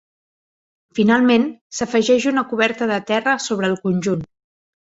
Finalment, s'afegeix una coberta de terra sobre el conjunt.